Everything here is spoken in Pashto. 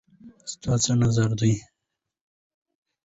ستا څه نظر دی